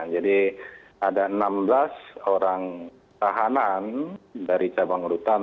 jadi ada enam belas orang tahanan dari cabang rutan